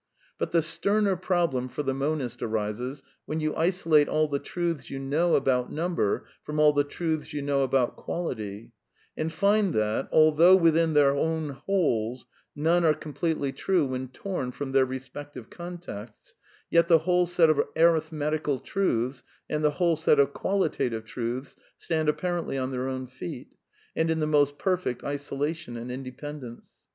But the sterner problem for the monist arises when you isolate all the truths you know about number from all the truths you know about quality, and find that, although within their own wholes none are completely true when torn from their respective contexts, yet the whole set of arithmetical truths, and the whole set of qualitative truths stand apparently on their own feet, and in the most perfect isolation and independence.